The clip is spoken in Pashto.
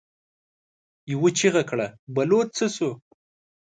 يوه چيغه کړه: بلوڅ څه شو؟